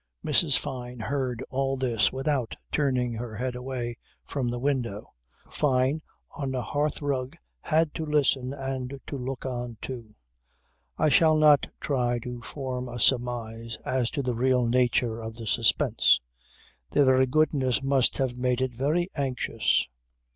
Mrs. Fyne heard all this without turning her head away from the window. Fyne on the hearthrug had to listen and to look on too. I shall not try to form a surmise as to the real nature of the suspense. Their very goodness must have made it very anxious.